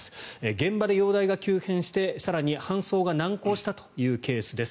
現場で容体が急変して更に搬送が難航したというケースです。